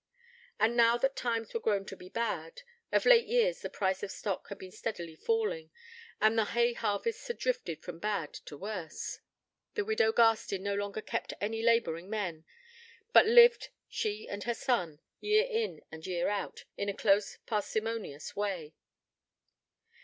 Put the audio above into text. And now that times were grown to be bad (of late years the price of stock had been steadily falling; and the hay harvests had drifted from bad to worse) the widow Garstin no longer kept any labouring men; but lived, she and her son, year in and year out, in a close parsimonious way.